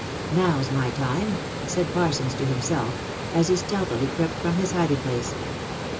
" Now's my time !" said Parsons to himself, as he stealthily crept from his hiding place.